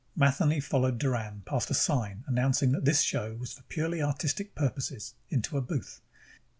Matheny followed Doran past a sign announcing that this show was for purely artistic purposes, into a booth.